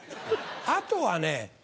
あとはね